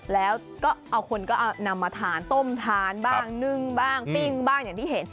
แล้วก็เอาคนก็นำมาทานต้มทานบ้างนึ่งบ้างปิ้งบ้างอย่างที่เห็น